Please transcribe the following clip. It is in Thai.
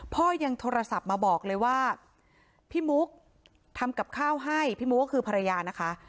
พ่อยังโทรศัพท์มาบอกเลยว่าพี่มุกทำกับข้าวให้พี่มุกก็คือภรรยานะคะ